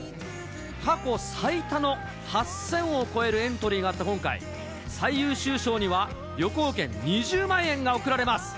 過去最多の８０００を超えるエントリーがあった今回、最優秀賞には旅行券２０万円が贈られます。